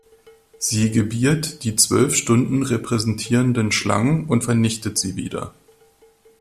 Sie gebiert die zwölf Stunden repräsentierenden Schlangen und vernichtet sie wieder.